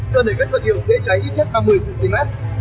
cần nể cách vật điệu dễ cháy ít nhất năm mươi cm